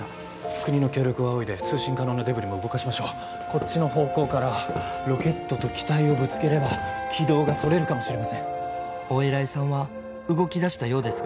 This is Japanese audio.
国の協力を仰いで通信可能なデブリも動かしましょうこっちの方向からロケットと機体をぶつければ軌道がそれるかもしれません「お偉いさんは動き出したようですが」